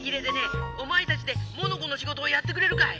お前たちでモノコのしごとをやってくれるかい？